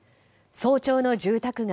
早朝の住宅街。